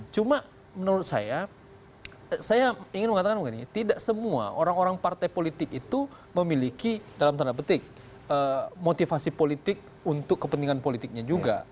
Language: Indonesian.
cuma menurut saya saya ingin mengatakan begini tidak semua orang orang partai politik itu memiliki dalam tanda petik motivasi politik untuk kepentingan politiknya juga